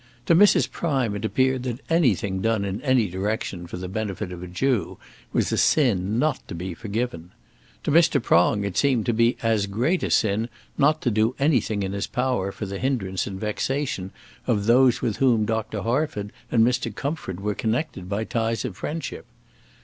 To Mrs. Prime it appeared that anything done in any direction for the benefit of a Jew was a sin not to be forgiven. To Mr. Prong it seemed to be as great a sin not to do anything in his power for the hindrance and vexation of those with whom Dr. Harford and Mr. Comfort were connected by ties of friendship.